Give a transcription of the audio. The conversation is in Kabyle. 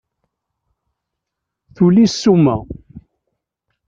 Tuli ssuma.